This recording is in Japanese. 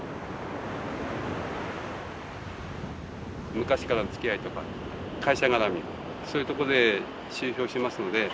昔からのつきあいとか会社絡みそういうとこで集票しますので。